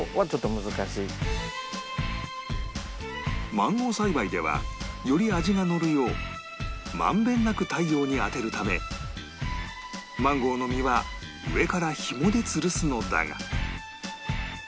マンゴー栽培ではより味が乗るよう満遍なく太陽に当てるためマンゴーの実は上からひもでつるすのだが